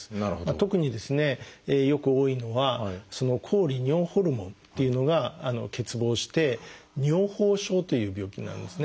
特にですねよく多いのは「抗利尿ホルモン」っていうのが欠乏して「尿崩症」という病気になるんですね。